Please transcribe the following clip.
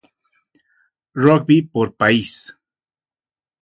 Rugby por país